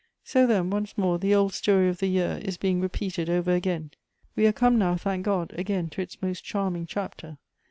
" So, then, once more the old story of the year is being ' repeated over again. We are come now, thank God, again to its most charming chapter.